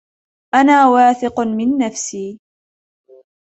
أنا واثق من نفسي.